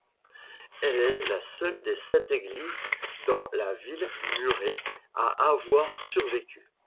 Elle est la seule des sept églises dans la ville murée à avoir survécu.